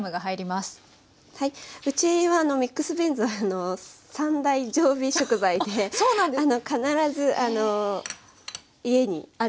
うちはミックスビーンズは三大常備食材で必ず家にある食材なんですけど。